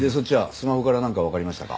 スマホからなんかわかりましたか？